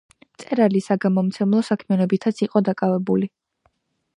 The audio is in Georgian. მწერალი საგამომცემლო საქმიანობითაც იყო დაკავებული.